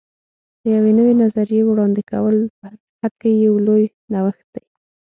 د یوې نوې نظریې وړاندې کول په حقیقت کې یو لوی نوښت دی.